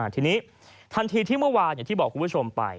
ทีนี้ทันทีที่เมื่อวานอย่างที่บอกคุณผู้ชมไป